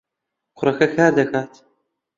کوڕەکە کار دەکات.